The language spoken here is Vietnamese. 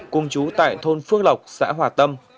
cùng chú tại thôn phương lộc xã hòa tâm